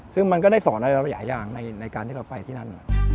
ซึ่งมันก็ได้สอนอะไรหลายอย่างในการที่เราไปที่นั่น